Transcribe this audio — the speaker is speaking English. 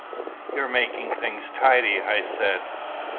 "You're making things tidy," I said.